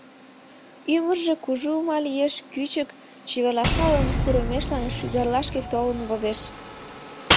Ӱмыржӧ кужу ма лиеш, кӱчык — чеверласалын, курымешлан шӱгарлашке толын возеш.